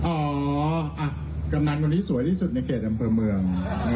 อ๋ออ่ากำดันตอนนี้สวยที่สุดในเกียรติอำเภอเมือง